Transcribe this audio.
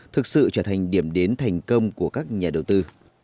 thực sự trở thành điểm đến thành công của các nhà đầu tư